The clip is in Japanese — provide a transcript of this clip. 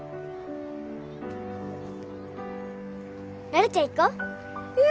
羅羅ちゃん行こう。